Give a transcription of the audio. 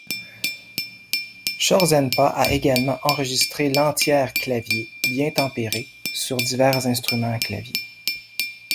Chorzempa a également enregistré l'entière Clavier bien tempéré, sur divers instruments à clavier.